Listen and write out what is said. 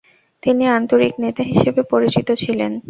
তিনি আন্তরিক নেতা হিসেবে পরিচিত ছিলেন।